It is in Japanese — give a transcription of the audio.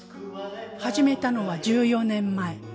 始めたのは１４年前。